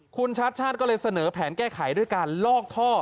คุณชาติชาติก็เลยเสนอแผนแก้ไขด้วยการลอกท่อ